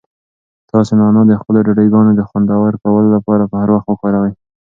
تاسو نعناع د خپلو ډوډۍګانو د خوندور کولو لپاره په هر وخت وکاروئ.